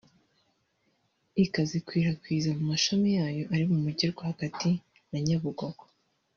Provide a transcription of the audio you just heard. ikazikwirakwiza mu mashami yayo ari mu Mujyi rwagati na Nyabugogo